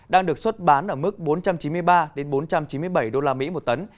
đang được xuất bán ở mức bốn trăm chín mươi ba bốn trăm chín mươi bảy usd một tấn